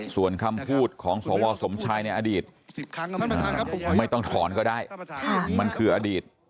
ส่วนคำพูดของสวสมชายในอดีตไม่ต้องถอนก็ได้มันคืออดีต